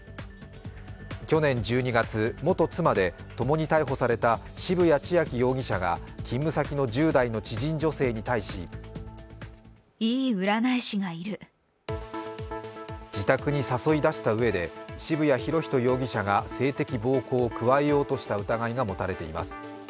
去年１２月、元妻でともに逮捕された渋谷千秋容疑者が勤務先の１０代の知人女性に対し自宅に誘い出したうえで渋谷博仁容疑者が性的暴行を加えようとした疑いが持たれています。